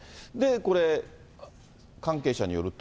これ、関係者によると。